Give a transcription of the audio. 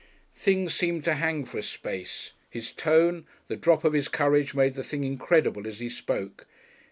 Things seemed to hang for a space; his tone, the drop of his courage, made the thing incredible as he spoke.